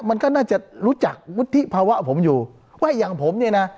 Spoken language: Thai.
มันก็น่าจะรู้จักวุฒิภาวะผมอยู่ว่าอย่างผมเนี่ยนะ